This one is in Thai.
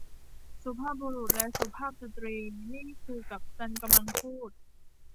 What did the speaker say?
สุภาพบุรุษและสุภาพสตรี นี่คือกัปตันกำลังพูด